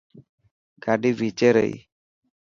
گاڏي ڀيچي رهي.